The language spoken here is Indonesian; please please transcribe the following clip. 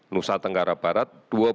nusa tenggara barat